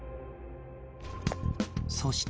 そして。